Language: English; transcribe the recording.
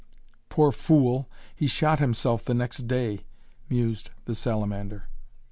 "Poor fool! he shot himself the next day," mused the salamander.